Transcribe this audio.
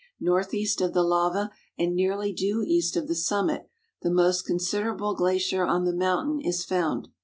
Northeast of the lava and nearly due east of the summit the mo.st consid era])le glacier on the mountain is found.